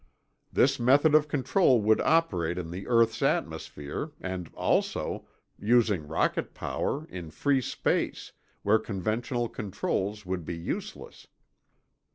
This method of control would operate in the earth's atmosphere and also, using rocket power, in free space, where conventional controls would be useless."